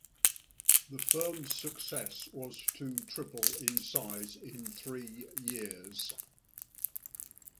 The firm's success was to triple in size in three years.